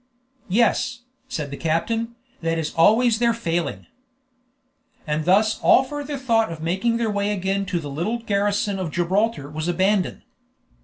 "Yes," said the captain, "that is always their failing." And thus all further thought of making their way again to the little garrison of Gibraltar was abandoned.